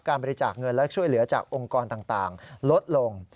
บริจาคเงินและช่วยเหลือจากองค์กรต่างลดลง